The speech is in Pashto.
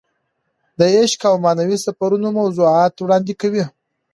د عشق او معنوي سفرونو موضوعات وړاندې کوي.